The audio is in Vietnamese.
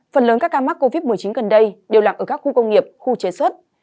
phần lớn các ca mắc covid một mươi chín gần đây đều làm ở các khu công nghiệp khu chế xuất